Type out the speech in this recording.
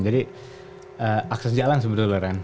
jadi akses jalan sebetulnya ren